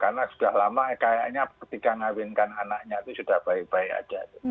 karena sudah lama kayaknya ketika mengawinkan anaknya itu sudah baik baik aja